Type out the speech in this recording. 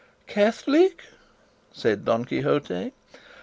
"Catholic!" said Don Quixote.